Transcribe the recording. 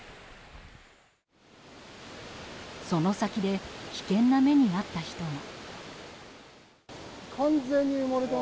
その先で危険な目に遭った人が。